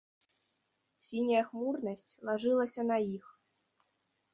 Сіняя хмурнасць лажылася на іх.